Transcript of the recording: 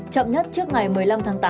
chậm nhất trước ngày một mươi năm tháng tám